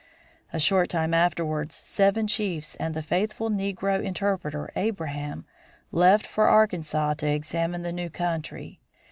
A short time afterwards seven chiefs and the faithful negro interpreter, Abraham, left for Arkansas to examine the new country.